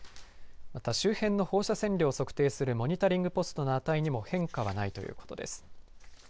また、周辺の放射線量を測定するモニタリングポストなどの値にも変化はないということです。